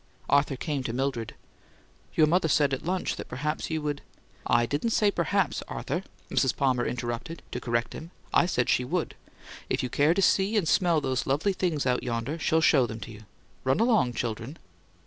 Arthur came to Mildred. "Your mother said at lunch that perhaps you'd " "I didn't say 'perhaps,' Arthur," Mrs. Palmer interrupted, to correct him. "I said she would. If you care to see and smell those lovely things out yonder, she'll show them to you. Run along, children!"